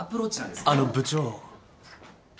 あの部長。